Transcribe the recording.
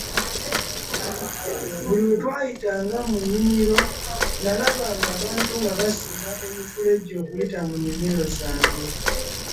Buli we twayitanga mu nnimiro nnalabanga abantu nga basima emifulejje okuyita mu nnimiro zaabwe.